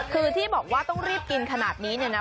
คือที่บอกว่าต้องรีบกินขนาดนี้เนี่ยนะ